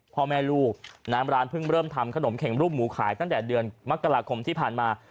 พ่อแม่ลูกน้ำร้านเพิ่งเริ่มทำขนมเข็งรูปหมูขายตั้งแต่เดือนมกราคมที่ผ่านมา